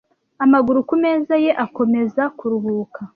amaguru ku meza ye akomeza kuruhuka